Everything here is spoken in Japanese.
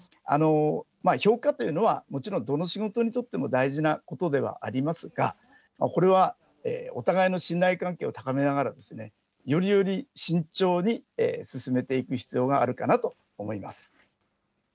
評価っていうのはもちろんどの仕事にとっても大事なことではありますが、これはお互いの信頼関係を高めながら、よりより慎重に進めていく必要があるかなと思います。